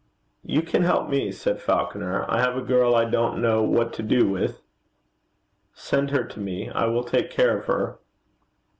'You can help me,' said Falconer. 'I have a girl I don't know what to do with.' 'Send her to me. I will take care of her.'